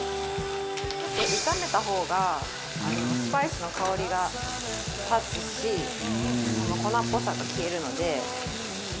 炒めた方がスパイスの香りが立つし粉っぽさが消えるので。